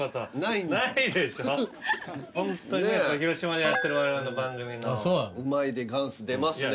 ホントにね広島でやってる我々の番組の「うまいでがんす」出ますね